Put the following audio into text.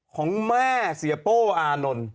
ของแม่เสียโป้อานนท์